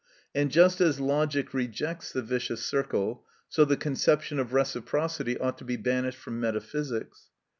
And just as logic rejects the vicious circle, so the conception of reciprocity ought to be banished from metaphysics.